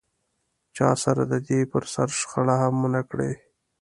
چا سره دده پر سر شخړه هم و نه کړي.